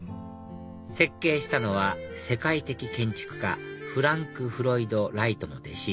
設計したのは世界的建築家フランク・ロイド・ライトの弟子